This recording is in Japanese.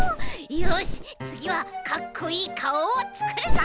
よしつぎはかっこいいかおをつくるぞ！